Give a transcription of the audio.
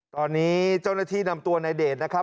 ตอนนี้เจ้าหน้าที่นำตัวในเดชนะครับ